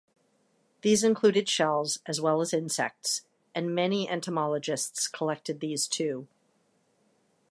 These included shells as well as insects and many entomologists collected these too.